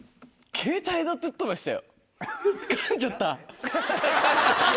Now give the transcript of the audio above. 「携帯どてってましたよ！」。